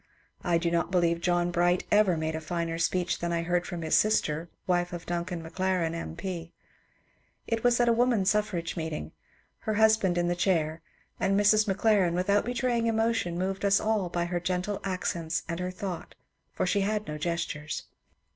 I do not believe that John Bright ever made a finer speech than I heard from his sister, wife of Duncan Maclaren, M. P. It was at a woman suffrage meeting, — her husband in the chair, — and Mrs. Maclaren without betraying emotion moved WOMAN SUFFRAGE MEETING IN LONDON 285 as all by her gentle accents and her thought, for she had no gestures.